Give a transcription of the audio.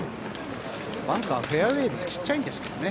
バンカー、フェアウエーよりちっちゃいんですけどね。